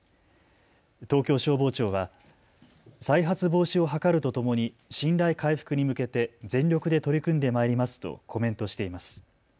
東京消防庁は再発防止を図るとともに信頼回復に向けて全力で取り組んでまいりますとコメントしています。